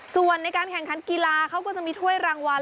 ส่วนในการแข่งขันกีฬาเขาก็จะมีถ้วยรางวัล